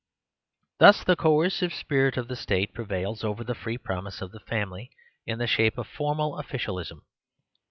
Thus the coercive spirit of the state pre vails over the free promise of the family, in the shape of formal officialism.